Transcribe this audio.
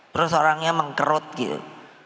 terus orangnya mengkerut gitu